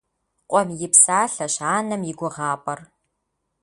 Къуэм и псалъэщ анэм и гугъапӏэр.